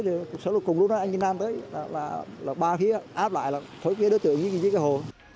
rồi cùng lúc đó anh yên nam tới và ba phía áp lại là phối phía đối tượng dưới cái hồ